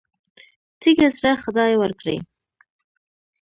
تیږه زړه خدای ورکړی.